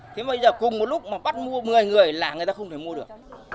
thế bây giờ cùng một lúc mà bắt mua một mươi người là người ta không thể mua được